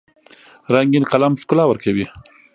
رنګین قلم ښکلا ورکوي.